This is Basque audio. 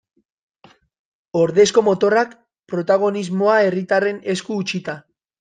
Ordezko motorrak, protagonismoa herritarren esku utzita.